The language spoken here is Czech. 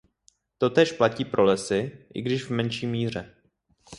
Totéž platí pro lesy, i když v menší míře.